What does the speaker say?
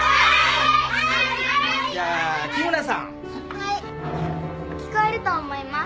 はい聞こえると思います。